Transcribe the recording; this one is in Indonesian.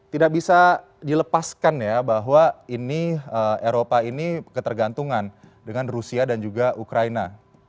tidak bisa dilepaskan ya bahwa ini eropa ini ketergantungan dengan rusia dan juga ukraina